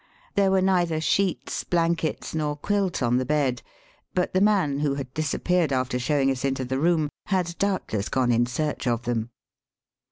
There were neither sheets, blankets, nor quilt on the bed ; but the man, who had disappeared after show ing us into the room, had doubtless gone in search of them.